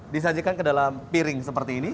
disajikan ke dalam piring seperti ini